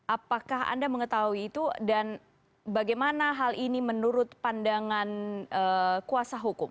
apakah anda mengetahui itu dan bagaimana hal ini menurut pandangan kuasa hukum